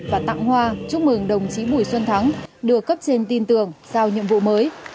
và tặng hoa chúc mừng đồng chí bùi xuân thắng được cấp trên tin tưởng giao nhiệm vụ mới